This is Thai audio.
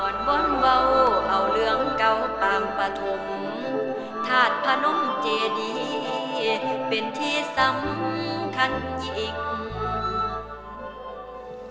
ธาตุพนมเจดีเป็นที่สำคัญจริง